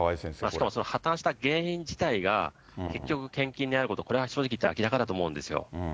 しかもその破綻した原因自体が、結局、献金であること、これは正直言って明らかだと思うんですよ。